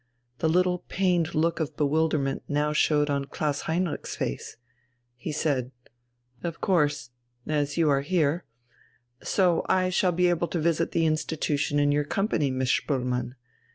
The little pained look of bewilderment now showed on Klaus Heinrich's face. He said: "Of course.... As you are here.... So I shall be able to visit the institution in your company, Miss Spoelmann....